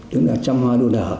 tức là trăm hoa đùa đỏ